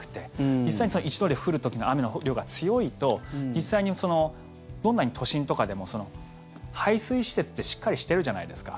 実際に、一度で降る時の雨の量が強いとどんなに都心とかでも排水施設ってしっかりしてるじゃないですか。